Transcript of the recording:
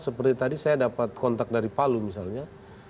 seperti tadi saya dapat kontak dari palu misalnya